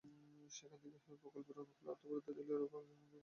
সেখান থেকে প্রকল্পের অনুকূলে অর্থ বরাদ্দ দিলে ভাঙন রোধে ব্যবস্থা নেওয়া হবে।